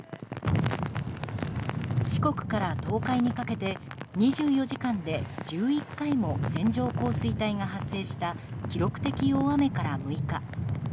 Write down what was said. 四国から東海にかけて２４時間で１１回も線状降水帯が発生した記録的大雨から６日。